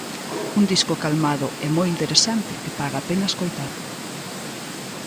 Un disco calmado e moi interesante que paga a pena escoitar.